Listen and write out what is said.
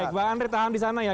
baik bang andre tahan di sana ya